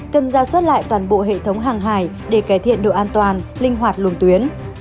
cần ra soát lại toàn bộ hệ thống hàng hải để cải thiện độ an toàn linh hoạt luồng tuyến